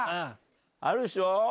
あるでしょ。